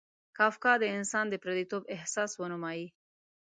کافکا د انسان د پردیتوب احساس ونمایي.